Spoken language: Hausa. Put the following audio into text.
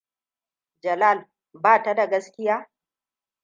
Jalal bata da gaskiya?